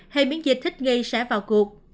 hệ miễn dịch thích nghi sẽ vào cuộc